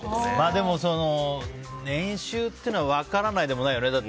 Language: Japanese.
でも、年収っていうのは分からないでもないよね。